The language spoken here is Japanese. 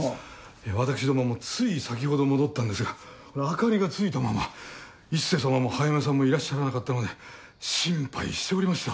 いや私どももつい先ほど戻ったんですが明かりがついたまま壱成様も早梅さんもいらっしゃらなかったので心配しておりました